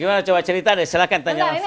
gimana coba cerita deh silahkan tanya langsung